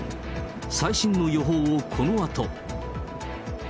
最新の予報をこのあと。